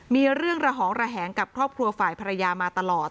มีเรื่องระหองระแหงกับครอบครัวฝ่ายภรรยามาตลอด